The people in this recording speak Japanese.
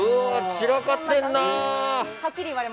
散らかってんな！